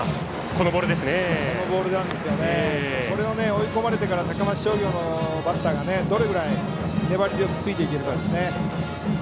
追い込まれてから高松商業のバッターがどれぐらい粘り強くついていけるかですね。